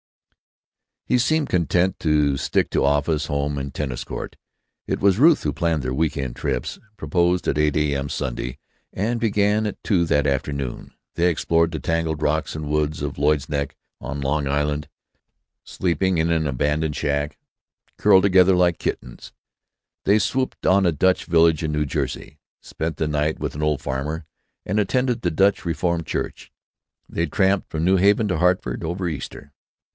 He seemed content to stick to office, home, and tennis court. It was Ruth who planned their week end trips, proposed at 8 a.m. Saturday, and begun at two that afternoon. They explored the tangled rocks and woods of Lloyd's Neck, on Long Island, sleeping in an abandoned shack, curled together like kittens. They swooped on a Dutch village in New Jersey, spent the night with an old farmer, and attended the Dutch Reformed church. They tramped from New Haven to Hartford, over Easter.